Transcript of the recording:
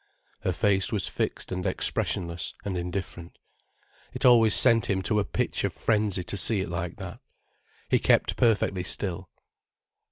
Her face was fixed and expressionless and indifferent. It always sent him to a pitch of frenzy to see it like that. He kept perfectly still.